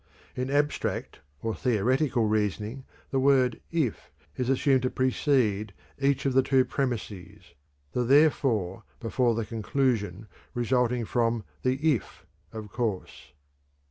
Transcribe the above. In abstract or theoretical reasoning the word "if" is assumed to precede each of the two premises, the "therefore" before the conclusion resulting from the "if," of course.